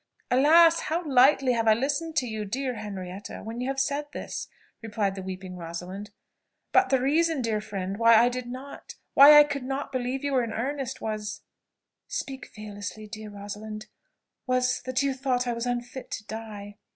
"Alas! how lightly have I listened to you, dear Henrietta, when you have said this!" replied the weeping Rosalind. "But the reason, dear friend, why I did not, why I could not believe you were in earnest, was " "Speak fearlessly, dear Rosalind was that you thought I was unfit to die.